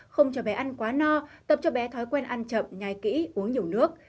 không cho bé ăn quá no tập cho bé thói quen ăn chậm nhái kỹ uống nhiều nước